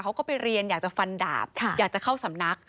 เขาก็ไปเรียนอยากจะฟันดาบอยากจะเข้าสำนัก